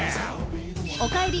おかえり！